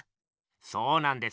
そうなんです。